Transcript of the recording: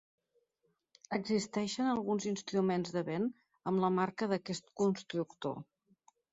Existeixen alguns instruments de vent amb la marca d'aquest constructor.